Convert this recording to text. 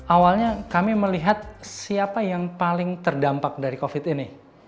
awalnya kami melihat siapa yang paling terdampak dari covid ini